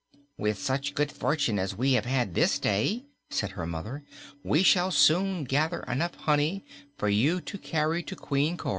"With such good fortune as we have had this day," said her mother, "we shall soon gather enough honey for you to carry to Queen Cor."